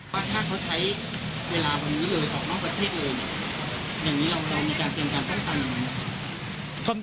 ถ้าเขาใช้เวลาอะไรเลยออกนอกประเทศเลยอย่างนี้เรามีการเปรี่ยนการค่ะ